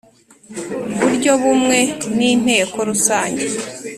buryo bumwe n Inteko rusange